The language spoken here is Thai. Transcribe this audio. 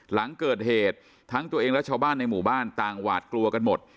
หลังเกิดเหตุทั้งตัวเองและชาวบ้านในหมู่บ้านต่างหวาดกลัวกันหมด